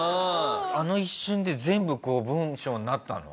あの一瞬で全部こう文章になったの？